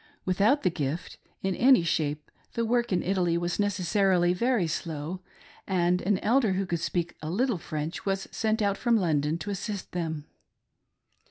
With out the "gift" in any shape the work in Italy was necessarily very slow, and an Elder who could speak a little French was sent out from London to assist them.